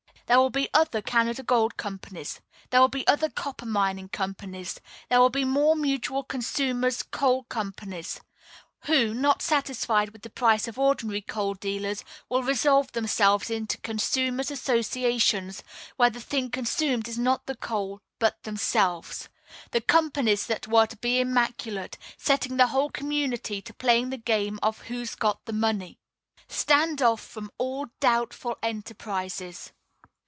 There will be other Canada gold companies; there will be other copper mining companies; there will be more mutual consumers' coal companies, who, not satisfied with the price of ordinary coal dealers, will resolve themselves into consumers' associations, where the thing consumed is not the coal, but themselves the companies that were to be immaculate, setting the whole community to playing the game of "Who's got the money?" Stand off from all doubtful enterprises!